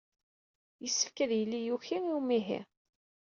Yessefk ad yili yuki i umihi.